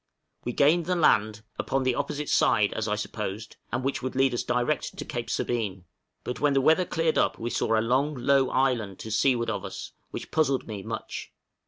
We gained the land upon the opposite side, as I supposed and which would lead us direct to Cape Sabine; but when the weather cleared up we saw a long low island to seaward of us, which puzzled me much.